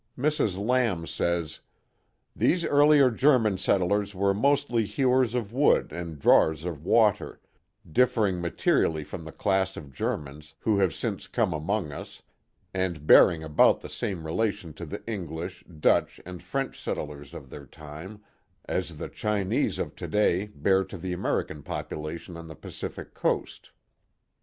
Mrs. Lamb says: These earlier German settlers were mostly hewers of wood and drawers of water, differing materially from the class of Germans who have since come among us, and bearing about the same rela tion to the English, Dutch, and French settlers of their time, as the Chinese of to day bear to the American population on the Pacific coast.